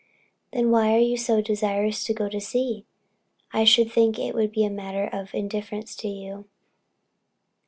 "Then why are you so desirous to go to sea? I should think it would be a matter of indifference to you."